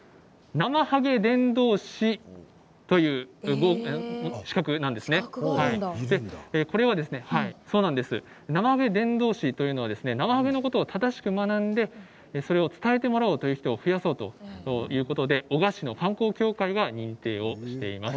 ナマハゲ伝道士というのはなまはげのことを正しく学んでそれを伝えてもらおうという人を増やそうということで男鹿市の観光協会が認定しています。